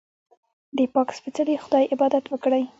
د پاک سپېڅلي خدای عبادت وکړئ.